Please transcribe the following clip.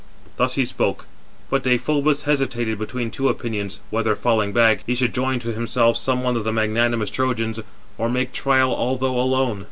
Thus he spoke, but Deïphobus hesitated between two opinions, whether, falling back, he should join to himself some one of the magnanimous Trojans, or make trial although alone.